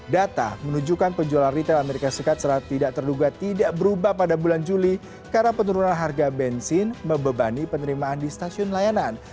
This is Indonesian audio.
data menunjukkan penjualan retail amerika serikat secara tidak terduga tidak berubah pada bulan juli karena penurunan harga bensin membebani penerimaan di stasiun layanan